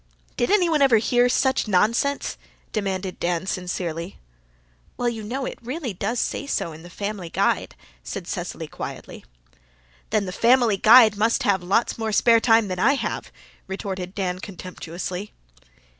"Did anyone ever hear such nonsense?" demanded Dan sincerely. "Well, you know, it really does say so in the Family Guide," said Cecily quietly. "Then the Family Guide people must have lots more spare time than I have," retorted Dan contemptuously.